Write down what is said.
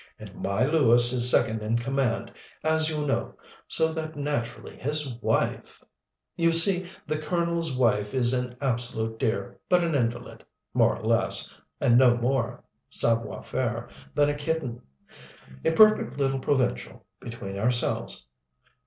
And my Lewis is second in command, as you know, so that naturally his wife.... You see, the Colonel's wife is an absolute dear, but an invalid more or less, and no more savoir faire than a kitten. A perfect little provincial, between ourselves.